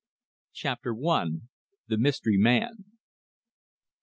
CHAPTER ONE. THE MYSTERY MAN.